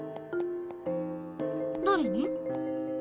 誰に？